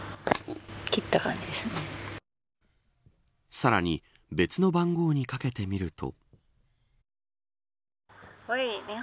さらに別の番号にかけてみると。